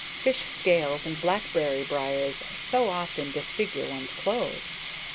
Fish scales and blackberry briers so soon disfigure one's clothes.